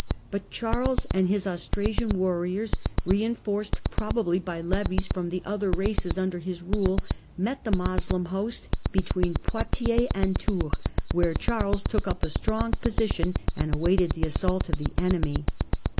But Charles and his Austrasian warriors, reinforced probably by levies from the other races under his rule, met the Moslem host between Poictiers and Tours, where Charles took up a strong position and awaited the assault of the enemy.